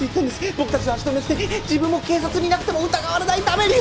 僕達を足止めして自分も警察にいなくても疑われないために！